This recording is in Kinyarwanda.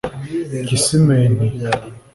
Kisimenti